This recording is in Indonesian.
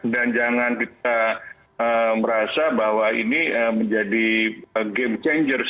dan jangan kita merasa bahwa ini menjadi game changer